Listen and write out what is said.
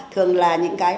thường là những cái